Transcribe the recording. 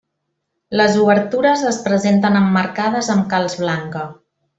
Les obertures es presenten emmarcades amb calç blanca.